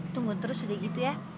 tunggu terus udah gitu ya